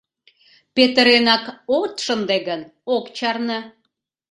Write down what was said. — Петыренак от шынде гын, ок чарне.